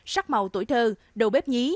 sắc màu tuổi thơ đầu bếp nhí